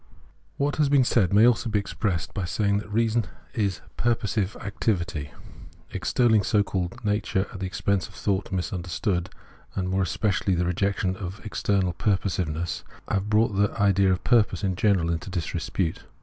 What has been said may also be expressed by saying that reason is purposive activity. Extolling so called nature at the expense of thought misunderstood, and more especially the rejection of external purposive ness, have brought the idea of purpose in general into disrepute.